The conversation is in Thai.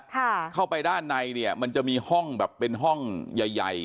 เข้าไปด้านในเนี่ยมันจะมีห้องแบบเป็นห้องใหญ่ใหญ่